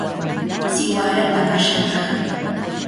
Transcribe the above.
Siwarata mashtanaq.